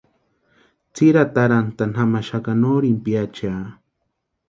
Tsiri atarantʼani jamaxaka nori piachiaa.